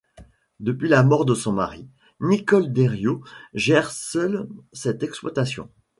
Depuis la mort de son mari, Nicole Deriaux gère seule cette exploitation.